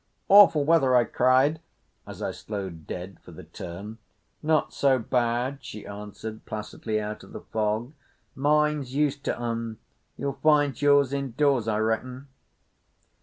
"Awful weather!" I cried, as I slowed dead for the turn. "Not so bad," she answered placidly out of the fog. "Mine's used to 'un. You'll find yours indoors, I reckon."